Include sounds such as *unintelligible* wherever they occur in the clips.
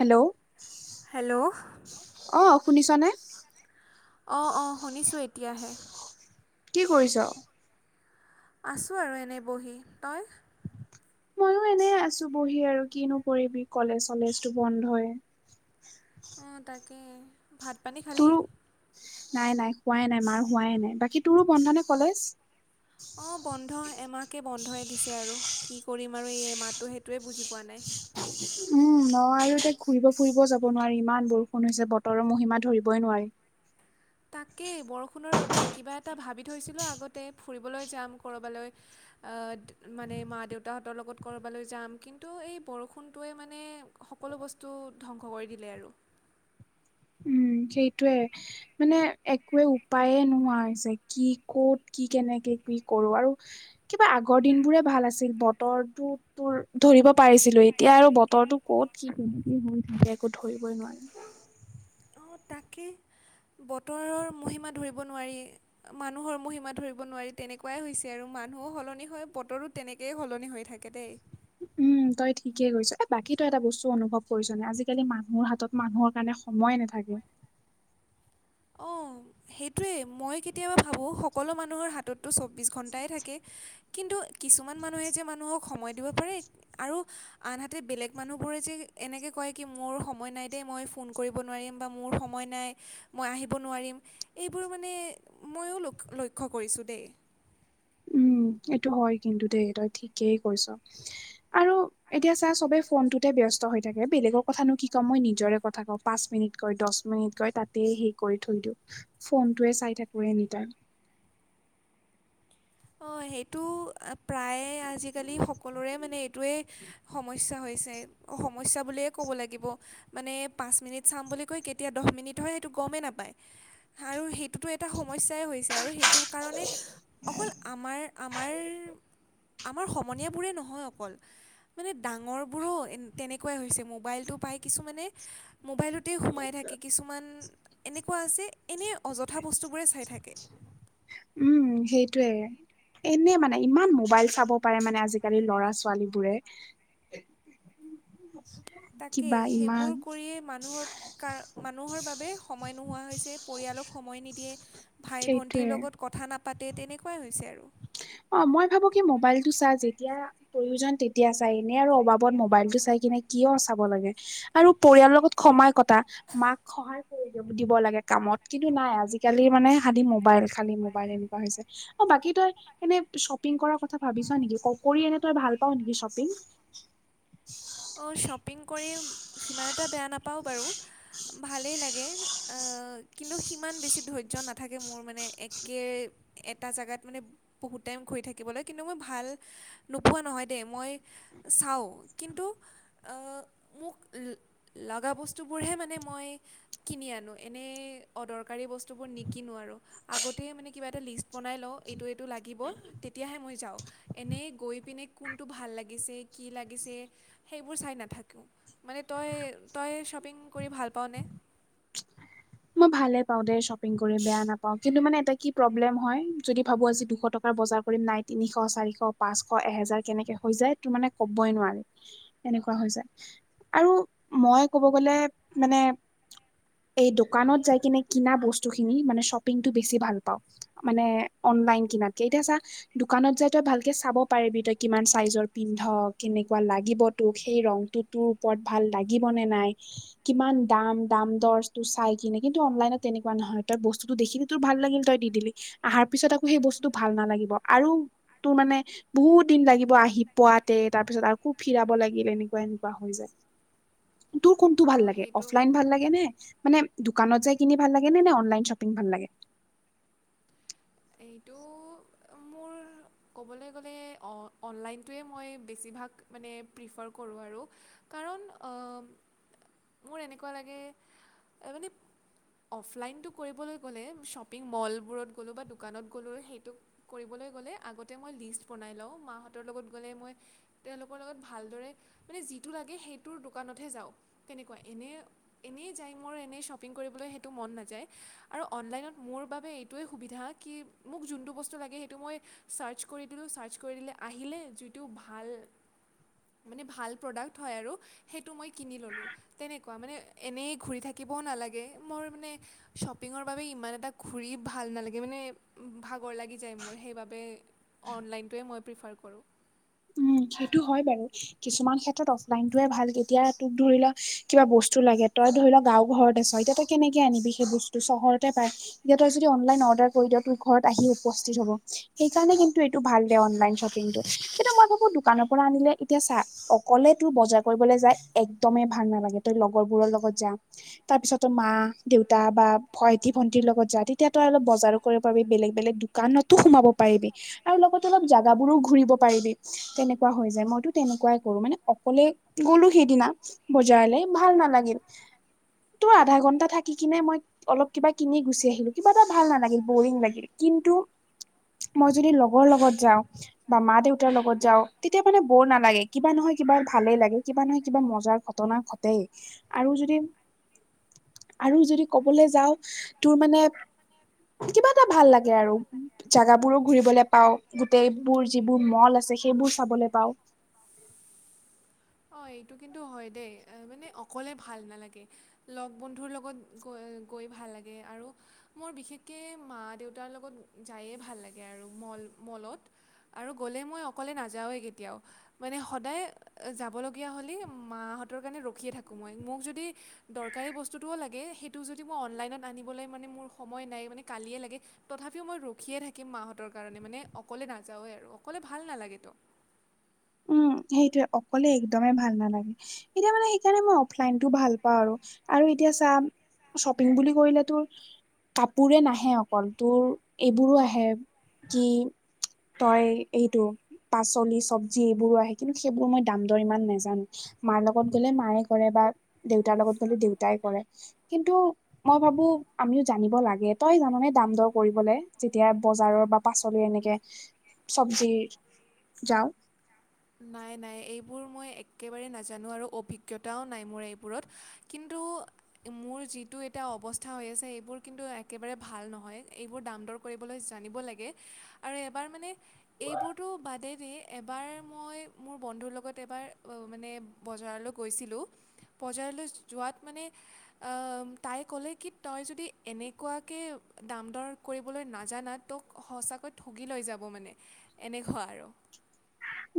Hello. Hello. অ শুনিছনে অ', অ' শুনিছোঁ এতিয়াহে। কি কৰিছ? আছোঁ আৰু এনেই বহি। তই? ময়ো এনে আছোঁ বহি আৰু কিনো কৰিবি, কলেজ চলেজটো বন্ধই। অ' তাকেই। তোৰো নাই নাই হোৱাই নাই, মাৰ হোৱাই নাই, বাকী তোৰো বন্ধ নে কলেজ? অ' বন্ধ, এমাহকে বন্ধই দিছে আৰু, কি কৰিম আৰু এই এমাহটো সেইটোৱে বুজি পোৱা নাই। উম ন' আৰু এতিয়া ঘুৰিব ফুৰিব যাব নোৱাৰি ইমান বৰষুণ হৈছে, বতৰৰ মহিমা ধৰিবই নোৱাৰি। তাকেই, বৰষুণৰ বাবে কিবা এটা ভাবি থৈছিলোঁ আগতে ফুৰিবলৈ যাম ক'ৰবালৈ আ, মানে মা দেউতাহঁতৰ লগত ক'ৰবালৈ যাম কিন্তু এই বৰষুণটোৱে মানে সকলো বস্তু ধ্বংস কৰি দিলে আৰু। উম সেইটোয়ে। মানে একোৱে উপায়ে নোহোৱা হৈছে, কি ক'ত কি কেনেকে কি কৰো আৰু কিবা আগৰ দিনবোৰে ভাল আছিল, বতৰটো তোৰ ধৰিব পাৰিছিলো, এতিয়া আৰু বতৰটো ক'ত কি কেনেক হৈ থাকে একো ধৰিবই নোৱাৰি। অ' তাকে বতৰৰ মহিমা ধৰিব নোৱাৰি। মানুহৰ মহিমা ধৰিব নোৱাৰি তেনেকুৱাই হৈছে আৰু মানুহো সলনি হয়, বতৰো তেনেকেই সলনি হৈ থাকে দেই। উম, তই ঠিকে কৈছ। এ, বাকী তই এটা বস্তু অনুভৱ কৰিছ নে আজিকালি মানুহৰ হাতত মানুহৰ কাৰণে সময়ে নাথাকে। অ' সেইটোৱেই, মই কেতিয়াবা ভাবোঁ সকলো মানুহৰ হাতত তো চৌব্বিছ ঘণ্টাই থাকে কিন্তু কিছুমান মানুহে যে মানুহক সময় দিব পাৰে আৰু আনহাতে বেলেগ মানুহবোৰে যে এনেকে কয় কি মোৰ সময় নাই দে, মই ফোন কৰিব নোৱাৰিম বা মোৰ সময় নাই মই আহিব নোৱাৰিম, এইবোৰ মানে ময়ো ল লক্ষ্য কৰিছোঁ দেই। উম, এইটো হয় কিন্তু দেই, তই ঠিকেই কৈছ আৰু এতিয়া চা চবেই ফোনটোতে ব্যস্ত ত হৈ থাকে, বেলেগৰ কথানো কি কম মই নিজৰে কথা কওঁ, পাঁচ মিনিট কৈ দহ মিনিট কৈ তাতে হেই কৰি থৈ দিওঁ। ফোনটোৱে চাই থাকোঁ এনি টাইম। অ' সেইটো প্ৰায়ে আজিকালি সকলোৰে মানে এইটোৱেই সমস্যা হৈছে, সমস্যা বুলিয়ে ক'ব লাগিব। মানে পাঁচ মিনিট চাম বুলি কৈ কেতিয়া দহ মিনিট হয় সেইটো গমেই নাপায় আৰু সেইটোতো এটা সমস্যাই হৈছে আৰু সেইটো কাৰণে অকল আমাৰ আমাৰ আমাৰ সমনীয়াবোৰে নহয় অকল, মানে ডাঙৰবোৰো তেনেকুৱাই হৈছে। মোবাইলটো পাই কিছুমানে মোবাইলতেই সোমাই থাকে, কিছুমান এনেকুৱা আছে এনেই অযথা বস্তুবোৰে চাই থাকে। উম, সেইটোয়ে। এনে মানে ইমান মোবাইল চাব পাৰে মানে আজিকালি ল'ৰা ছোৱালীবোৰে। তাকেই, কিবা সেইবোৰ ইমান কৰিয়েই মানুহৰ কাৰ, মানুহৰ বাবে সময় নোহোৱা হৈছে, পৰিয়ালক সময় নিদিয়ে, ভাই ভণ্টীৰ সেইটোয়ে লগত কথা নাপাতে তেনেকুৱাই হৈছে আৰু। অ' মই ভাবোঁ কি মোবাইলটো চা যেতিয়া প্ৰয়োজন তেতিয়া চাইনে আৰু অবাবত মোবাইলটো চাই কিনে কিয় চাব লাগে। আৰু পৰিয়ালৰ লগত সময় কটা মাক সহায় কৰি দ দিব লাগে। কামত কিন্তু নাই আজিকালি মানে সি মোবাইল খালী মোবাইল এনেকুৱা হৈছে অ বাকী তই এনে শ্বপিং কৰাৰ কথা ভাবিছ নেকি ক কৰি এনে তই ভাল পাও নেকি শ্বপিং অ', শ্বপিং কৰি সিমান এটা বেয়া নাপাওঁ বাৰু ভালেই লাগে কিন্তু সিমান বেছি ধৈৰ্য নাথাকে। মোৰ মানে একে এটা জেগাত মানে বহুত টাইম ঘূৰি থাকিবলৈ কিন্তু মই ভাল নোপোৱা নহয় দেই মই চাওঁ কিন্ত তো মোক লগা বস্তুবোৰহে মানে মই কিনি আনো এনেই অদৰকাৰী বস্তুবোৰ নিকিনো আৰু আগতে মানে কিবা এটা লিষ্ট বনাই লওঁ এইটো এইটো লাগিব তেতিয়াহে মই যাওঁ এনেই গৈ পিনে কোনটো ভাল লাগিছে কি লাগিছে। সেইবোৰ চাই নাথাকোঁ মানে তই তই শ্বপিং কৰি ভাল পাওঁনে? মই ভালে পাও দে শ্বপিং কৰি বেয়া নাপাও। কিন্তু মানে এটা কি প্ৰব্লেম হয় যদি ভাবো আজি দুশ টকাৰ বজাৰ কৰিম নাই তিনিশ চাৰিশ পাঁচশ এহেজাৰ কেনেকে হৈ যায় তো মানে ক'বই নোৱাৰি এনেকুৱা হৈ যায় আৰু মই ক'ব গলে মানে এই দোকানত যাই কিনে কিনা বস্তুখিনি মানে শ্বপিংটো বেছি ভাল পাওঁ। মানে অনলাইন কিনাতকে এতিয়া চা দোকানত যাই তই ভালকে চাব পাৰিবি তই কিমান চাইজৰ পিন্ধ কেনেকুৱা লাগিব তোক সেই ৰংটোত তোৰ ওপৰত ভাল লাগিব নে নাই কিমান দাম দাম দৰ তটো চাই কিনে কিন্তু অনলাইনত তেনেকুৱা নহ তই বস্তুত দেখিলি তো ভাল লাগিল তই দি দিলি *unintelligible* পিছত আকৌ সেই বস্তুতটো ভাল নালাগিব আৰু তোৰ মানে বহুত দিন লাগিব আহি পোৱাতে তাৰ পিছত আকো ফিৰাব লাগিল এনেকুৱা এনেকুৱা হৈ যায়। *inaudible* তোৰ কোনটো ভাল অঁ লাগে সেইটো অফলাইন ভাল লাগে নে মানে দোকানত যাই কিনি ভাল লাগে নে নে অনলাইন শ্বপিং ভাল লাগে। এইটো মোৰ ক'বলৈ গ'লে অনলাইনটোৱে মই বেছিভাগ মানে প্ৰিফাৰ কৰোঁ আৰু কাৰণ মোৰ এনেকুৱা লাগে মানে অফলাইনটো কৰিবলৈ গ'লে শ্বপিং মলবোৰত গ'লোঁ বা দোকানত গ'লোঁ সেইটোক কৰিবলৈ গ'লে আগতে মই লিষ্ট বনাই লওঁ মাহঁতৰ লগত গ'লে মই তেওঁলোকৰ লগত ভালদৰে মানে যিটো লাগে সেইটোৰ দোকানতহে যাওঁ তেনেকুৱা এনে এনেই যায় মোৰ এনেই শ্বপিং কৰিবলৈ সেইটো মন নাযায় আৰু অনলাইনত মোৰ বাবে এইটোৱেই সুবিধা কি মোক যোনটো বস্তু লাগে। সেইটো মই চাৰ্চ কৰি দিলোঁ ছাৰ্চ কৰি দিলে আহিলে যিটো ভাল মানে ভাল প্ৰডাক্ট হয় আৰু সেইটো মই কিনি ল'লোঁ তেনেকুৱা মানে এনেই ঘূৰি থাকিবও নালাগে মোৰ মানে শ্বপিঙৰ বাবে ইমান এটা ঘূৰি ভাল নালাগে মানে ভাগৰ লাগি যায় মোৰ সেইবাবে অনলাইনটোৱে মই প্ৰিফাৰ কৰোঁ উম সেইটো হয় বাৰু কিছুমান ক্ষেত্ৰত অফলাইন োৱে ভাল কেতিয়া তোক ধৰি ল কিবা বস্তু লাগে তই ধৰি ল গাঁও ঘৰতে চ এতিয়া তই কেনেকে আনিবি সেই বস্তু চহৰতে পাই এতি তই যদি অনলাইন অৰ্ডাৰ কৰি দ তোৰ ঘৰত আহি উপস্থিত হব সেইকাৰণে কিন্তু ভাল দে অনলাইন শ্বপিংটো কিন্তু মই ভাবো দোকানৰ পৰা আনিলে এতিয়া চা অকলে তোৰ বজাৰ কৰিবলৈ যাই একদমেই ভাল নালাগে তই লগৰবোৰৰ লগত যাম তাৰ পিছতো মা দেউতা বা ভাইটি ভন্টিৰ লগত যোৱা তেতিয়া তই অলপ বজাৰো কৰিব পি বেলেগ বেলেগ দানতো সোমাব পাৰিবি আৰু লগতে অলপ জাগাবোৰো ঘূৰিব পিবি তেনেকুৱা হৈ যায় মইতো তেনেকুৱাই কৰো মানে অকলে গলো সেইদিনা বজাইলে ভাল নালাগিল তোৰ আধা ঘন্টা থাকি কিনে মই অলপ কিবা কিনি গুচি আহিলো কিবা এটা ভাল নালাগিল বৰিং লাগিল কিন্তু মই যদি লগৰ লগত যাওঁ বা মা দেউত দেউতাৰ লগত যাওঁ তেতিয়া মানে বৰ নালাগে কিবা নহয় কিবা ভালেই লাগে কিবা নহয় কিবা মজাৰ ঘটনা ঘটেই আৰু যদি আৰু যদি কবলৈ যাও তোৰ মানে কিবা এটা ভাল লাগে আৰু জাগাবোৰো ঘুৰিবলে পাও গোটেইবোৰ যিবোৰ মল আছে সেইবোৰ চাবলৈ পাওঁ অ এইটো কিন্তু হয় দেই মানে অকলে ভাল নালাগে লগ বন্ধুৰ লগত গৈ গৈ ভাল লাগে আৰু মোৰ বিশেষকৈ মা দেউতাৰ লগত যায়ে ভাল লাগে আৰু মল মলত আৰু গ'লে মই অকলে নাযাওঁৱে কেতিয়াও মানে সদায় যাবলগীয়া হলে মাহঁতৰ বাবে ৰখিয়ে থাকোঁ মই। মোক যদি দৰকাৰী বস্তুটোও লাগে টো যদি মই অনলাইনত আনিবলৈ মানে মোৰ সময় নাই মানে কালিয়ে লাগে তথাপিও মই ৰখিয়ে থাকিম মাহঁতৰ কাৰণে মানে অকলে নাযাওঁৱেই আৰু অকলে ভাল নালাগেতো উম সেইটোে অকলে একদমেই ভাল নালাগে এতিয়া মানে সেইকাৰণে মই অফলাইনতটো ভাল পাওঁ আৰু আৰু এতিয়া চাম শ্বপিং বুলি কৰিলে তোৰ কাপোৰে নাহে অকল তোৰ এইবোৰো আহে কি তই এইটো পাচলি চবজ য এইবোৰো আহে কিন্তু সেইবোৰ মই দাম দৰ ইমান নোজানো মাৰ লগত গ'লে মায়ে কৰে বা দেউতাৰ লগত গ'লে দেউতাই কৰে কিন্তু মই ভাবো আমিও জানিব লাগে তই জানানে দাম দৰ কৰিবলৈ যেতিয়া বজাৰৰ বা পাচলি এনেকে চব্জি যাওঁ নাই নাই এইবোৰ মই একেবাৰে নাজানো আৰু অভিজ্ঞতাও নাই মোৰ এইবোৰত কিন্তু মোৰ যিটো এটা অৱস্থা হৈ আছে এইবোৰ কিন্তু একেবাৰে ভাল নহয় এইবোৰ দাম দৰ লৈ জানিব লাগে আৰু এবাৰ মানে এইবোৰতো বাদেৰে এবাৰ মই মোৰ বন্ধুৰ লগত এবাৰ মানে বজাৰলৈ গৈছিলোঁ বজাৰলৈ যোৱাত মানে তাই ক'লে কি তই যদি এনেকুৱাকে দাম দৰ কৰিবলৈ নাজানা তোক সঁচাকৈ ঠুগি লৈ যাব মানে এনেকুৱা আৰু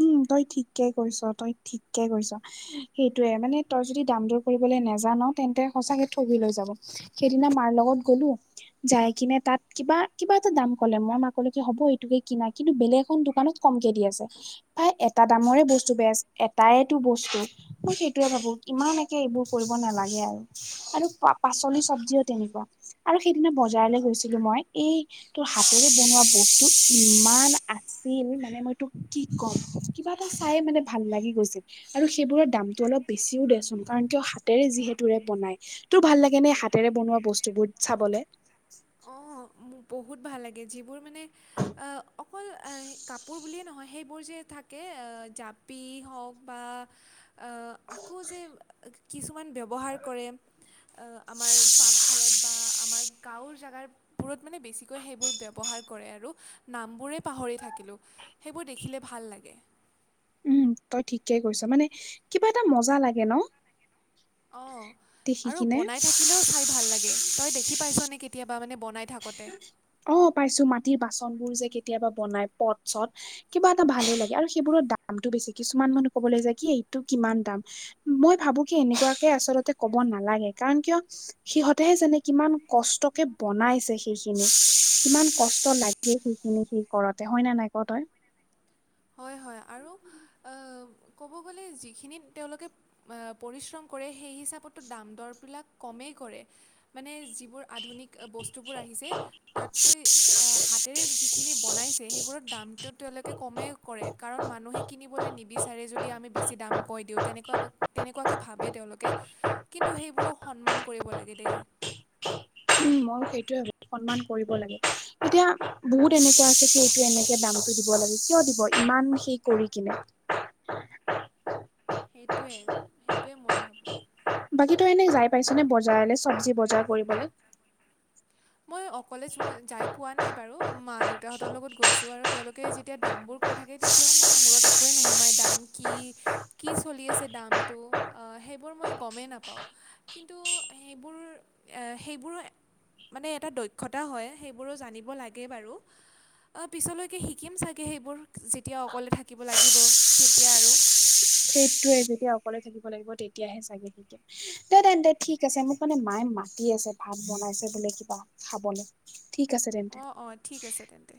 উম তই ঠিকে কৰিৈছ তই ঠিকে কৰিৈছ সেইটোয়ে মানে তই যদি দাম দৰ কৰিবলৈ নোজান তেন্তে সচাকে ঠগি লৈ যাব সেইদিনা মাৰ লগত গলো যাই কিনে তাত কিবা কিবা এটা দাম ক'লে মই মাক ক'ল কি হ'ব এইটোকে কিনা কিন্তু বেলেগ এখন দোকানত কমকে দি আছে প্ৰায় এটা দামৰে বস্তু বেজ এটাইটো বস্তু মই সেইটোোৱে ভাবো ইমান একে এইবোৰ কৰিব নালাগে আৰু আৰু পাচলি চব্জিও তেনেকুৱা আৰু সেইদিনা বজাৰলৈ গৈছিলো মই এই তোৰ হাতেৰে বনোৱা ব্তটো ইমান আছিল মানে মই তোক কি কম কিবা এটা চাইে মানে ভাল লাগি গৈছিল আৰু সেইবোৰৰ দামটো অলপ বেছিও দেিয়চোন কাৰণ কিয় হাতেৰে যিহেতুৰে বনায় তোৰ ভাল লাগে নে হাতেৰে বনোৱা বস্তুবোৰ চাবলে অঁ মোৰ বহুত ভাল লাগে যিবোৰ মানে অকল কাপোৰ বুলিয়েই নহয় সেইবোৰ যে থাকে জাপ পি হওক বা আকৌ যে কিছুমান ব্যৱহাৰ কৰে আমাৰ পাকঘৰত বা আমাৰ গাঁৱৰ জেগাৰ বোৰত মানে বেছিকৈ সেইবোৰ ব্যৱহাৰ কৰে আৰু নামবোৰেই পাহৰি থাকিলোঁ সেইবোৰ দেখিলে ভাল লাগে উম তই ঠিককে কৈছ মানে কিবা এটা মজা লাগে ন অঁ দেখি আৰু কিনে? বনাই থাকিলেও চাই ভাল লাগে তই দেখি পাইছনেে কেতিয়াবা মানে বনাই থাকোঁতে অ পাইছো মাটিৰ বাচন বোৰ যে কেতিয়াবা বনাই পথ চট কিবা এটা ভালো লাগে আৰু সেইবোৰৰ দামটো বেছি কিছুমান মানুহ ক'বলৈ যায় কি এইটো কিমান দাম মই ভাবো কি এনেকুৱাকে আচলতে ক'ব নালাগে, কাৰন কিয় সিহঁতেহে জানে কিমান কষ্ট কে বনাইছে সেইখিনি। কিমান কষ্ট লাগে সেইখিনি সেই কৰতে হয়, ন নাই ক তই? হয়, হয়, আৰু আহ, ক'ব গ'লে যিখিনিত তেওঁলোকে পৰিশ্ৰম কৰে সেই হিচাপতটো দাম দৰবিলাক কমেই কৰে, মানে যিবোৰ আধুনিক বস্তুবোৰ আহিছে। তাতকৈ হাতেৰে যিখিনি বনাইছে, সেইবোৰত দামটো তেওঁলোকে কমেই কৰে কাৰণ মানুহে কিনিবলৈ নিবিচাৰে যদি, আমি বেছি দাম কৈ দিওঁ তেনেকুৱা তেনেকুৱাকে ভাবে তেওঁলোকে কিন্তু সেইবোৰক সন্মান কৰিব লাগে দেই। উম, মইও সেইটোয়ে ভাবো সন্মান কৰিব লাগে এতিয়া বহুত এনেকুৱা আছে সেইটো এনেকে দামটো দিব লাগে, কিয় দিব ইমান সেই কৰি কিনে। সেইটোৱে সেইটোৱে ময়ো ভাবোঁ। বাকী তই এনে যাই পাইছ নে বজাৰলে চব্জি বজাৰ কৰিবলৈ? মই অকলে য যাই পোৱা নাই বাৰু মা দেউতাহঁতৰ লগত গৈছো, আৰু তেওঁলোকে যেতিয়া দামবোৰ কৈ থাকে তেতিয়াও মোৰ মূৰত একোৱেই নোসোমাই দাম কি কি চলি আছে দামটো সেইবোৰ মই গমেই নাপাওঁ। কিন্তু সেইবোৰ সেইবোৰো মানে এটা দক্ষতা হয়, সেইবোৰো জানিব লাগে বাৰু। পিছলৈকে শিকিম চাগে সেইবোৰ, যেতিয়া অকলে থাকিব লাগিব তেতিয়া আৰু। সেইতোয়ে যেতিয়া অকলে থাকিব লাগিব তেতিয়াহে চাগে। দে তেন্তে ঠিক আছে, মোক মানে মায়ে মাতি আছে ভাত বনাইছে বোলে কিবা খাবলৈ। ঠিক আছে তেন্তে। অঁ অঁ ঠিক আছে তেন্তে